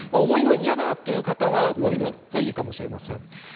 重いのが嫌だという方はこういうのがいいかもしれません。